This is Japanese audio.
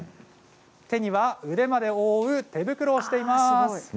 手には腕まで覆う手袋をしています。